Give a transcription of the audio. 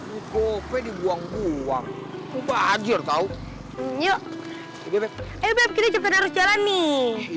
buka web buang buang berhadir tahu yuk kita harus jalan nih